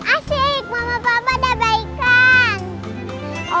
asik mama papa ada baikan